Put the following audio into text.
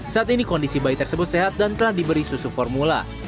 saat ini kondisi bayi tersebut sehat dan telah diberi susu formula